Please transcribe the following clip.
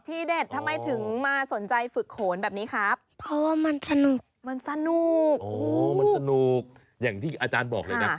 ตีรังกาตำนาน